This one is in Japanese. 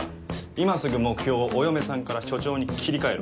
今すぐ目標をお嫁さんから署長に切り替えろ。